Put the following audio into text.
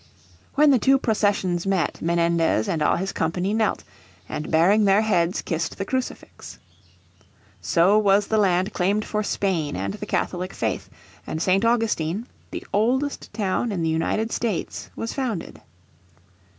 When the two processions met Menendez and all his company knelt, and baring their heads kissed the crucifix. So was the land claimed for Spain and the Catholic faith, and St. Augustine, the oldest town in the United States, was founded.